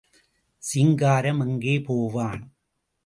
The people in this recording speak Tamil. சிங்காரம் எங்கே போவான்?